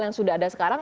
yang sudah ada sekarang